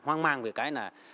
hoang mang về cái là